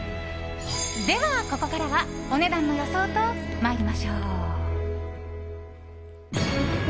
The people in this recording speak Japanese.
ではここからはお値段の予想と参りましょう。